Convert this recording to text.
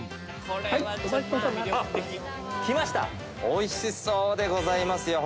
おいしそうでございますよ。